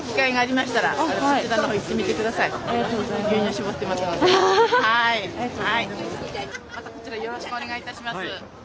またこちらよろしくお願いいたします。